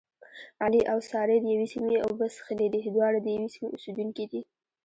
علي او سارې دیوې سیمې اوبه څښلې دي. دواړه د یوې سیمې اوسېدونکي دي.